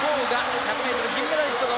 １００ｍの金メダリスト。